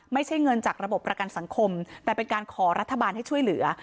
ไม่ใช่เงินจากระบบประกันสังคมแต่เป็นการขอรัฐบาลให้ช่วยเหลือ